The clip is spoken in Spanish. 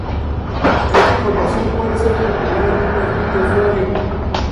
Esta información puede ser recopilada en un "perfil" de usuario.